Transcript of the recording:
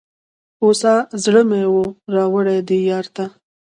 هوسا زړه مي وو را وړﺉ دې دیار ته